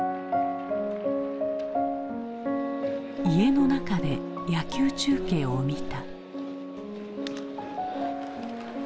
家の中で野球中継を見た。